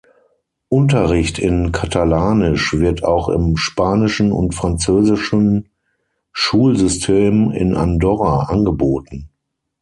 Unterricht in Katalanisch wird auch im spanischen und französischen Schulsystem in Andorra angeboten.